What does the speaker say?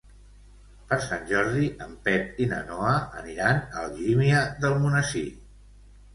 Per Sant Jordi en Pep i na Noa aniran a Algímia d'Almonesir.